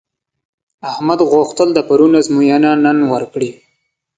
احمد غوښتل د پرون ازموینه نن ورکړي.